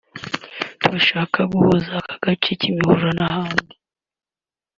Ati “Turashaka guhuza aka gace [Kimihurura] n’ahandi